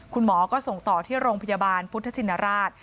คุณหมอก็ส่งต่อที่โรงพยาบาลพุทธชินราช